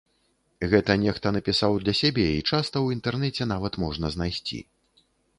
Гэта нехта напісаў для сябе і часта ў інтэрнэце нават можна знайсці.